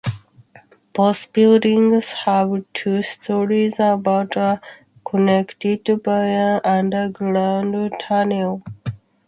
Both buildings have two stories and are connected by an underground tunnel.